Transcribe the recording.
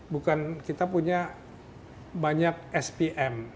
bukan kita punya banyak spm